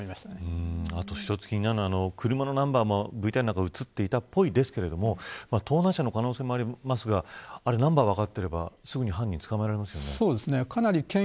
一つ気になるのは車のナンバーもＶＴＲに映っていたっぽいですけど盗難車の可能性もありますがナンバーが分かっていればすぐに犯人捕まえられますよね。